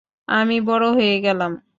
আমি বড় হয়ে গেলাম।